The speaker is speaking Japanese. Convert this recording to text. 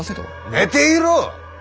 寝ていろ！